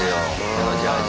このジャージ。